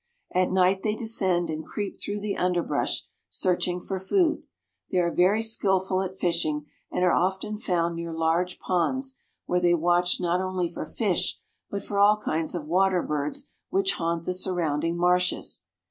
At night they descend, and creep through the underbrush, searching for food. They are very skillful at fishing, and are often found near large ponds, where they watch not only for fish, but for all kinds of water birds which haunt the surrounding marshes.